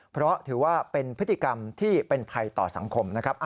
เพราะถือว่าเป็นพฤติกรรมที่เป็นภัยต่อสังคมนะครับ